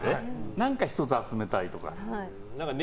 何か１つ、集めたいとかね。